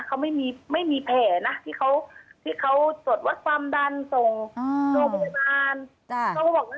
เขาไม่มีแผลนะที่เขาตรวจวัดความดันตรงโรงพยาบาล